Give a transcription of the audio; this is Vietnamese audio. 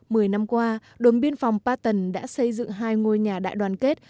mười năm qua đồn biên phòng ba tầng đã xây dựng hai ngôi nhà đại đoàn kết